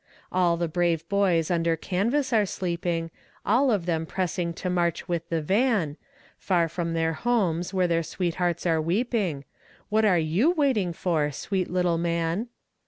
All the brave boys under canvas are sleeping, All of them pressing to march with the van, Far from their homes where their sweethearts are weeping; What are you waiting for, sweet little man?